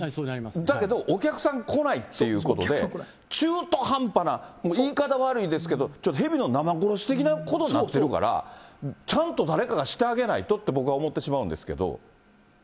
だけどお客さん来ないっていうことで、中途半端な、言い方悪いですけど、ちょっとへびの生殺し的なことになってるから、ちゃんと誰かがしてあげないとって、僕は思ってしまうんですけど。